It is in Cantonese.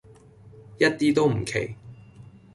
一啲都唔奇